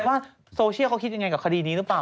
ว่าโซเชียลเขาคิดยังไงกับคดีนี้หรือเปล่า